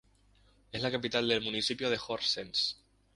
Es la capital del municipio de Horsens.